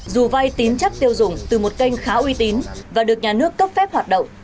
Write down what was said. dù vay tín chắc tiêu dùng từ một kênh khá uy tín và được nhà nước cấp phép hoạt động